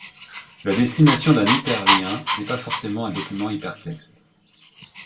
La destination d'un hyperlien n'est pas forcément un document hypertexte.